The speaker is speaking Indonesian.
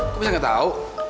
kok bisa gak tau